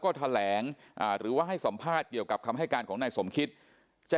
ก็แถลงหรือว่าให้สัมภาษณ์เกี่ยวกับคำให้การของนายสมคิตจะ